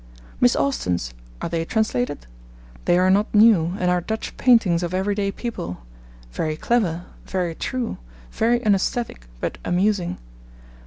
... Miss Austen's are they translated? They are not new, and are Dutch paintings of every day people very clever, very true, very unaesthetic, but amusing.